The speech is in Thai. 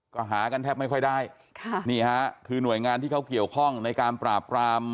ก็หากันแทบไม่ค่อยได้ค่ะนี่ฮะคือหน่วยงานที่เขาเกี่ยวข้องในการปราบราม